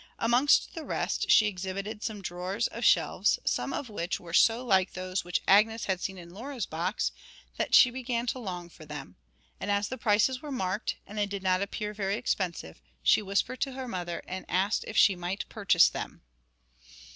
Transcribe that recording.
Amongst the rest she exhibited some drawers of shells, some of which were so like those which Agnes had seen in Laura's box that she began to long for them, and as the prices were marked, and they did not appear very expensive, she whispered to her mother and asked if she might purchase them.